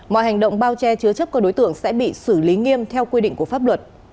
mọi hành động bao che chứa chấp các đối tượng sẽ bị xử lý nghiêm theo quy định của pháp luật